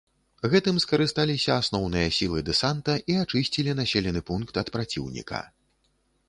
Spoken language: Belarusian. Гэтым скарысталіся асноўныя сілы дэсанта і ачысцілі населены пункт ад праціўніка.